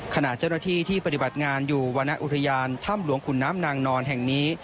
ขณะเจ้าหน้าที่ที่ปฏิบัติงานอยู่วรรณอุทยานถ้ำหลวงขุนน้ำนางนอนแห่งนี้